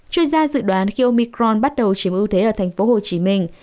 chuyên gia dự đoán khi omicron bắt đầu chiếm ưu thế ở thành phố hồ chí minh